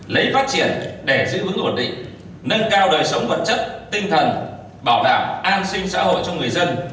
lấy phát triển để giữ vững ổn định nâng cao đời sống vật chất tinh thần bảo đảm an sinh xã hội cho người dân